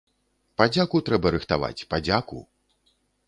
Падзяку трэба рыхтаваць, падзяку.